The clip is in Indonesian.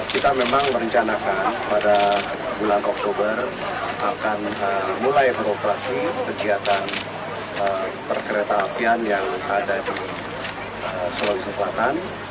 kita memang merencanakan pada bulan oktober akan mulai beroperasi kegiatan perkereta apian yang ada di sulawesi selatan